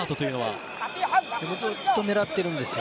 ずっと狙ってるんですよ。